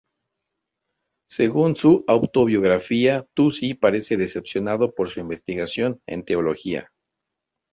Según su autobiografía, Tusi parece decepcionado por su investigación en teología.